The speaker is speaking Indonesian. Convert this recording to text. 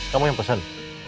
kamu yang pesen